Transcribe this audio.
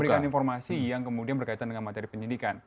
memberikan informasi yang kemudian berkaitan dengan materi penyidikan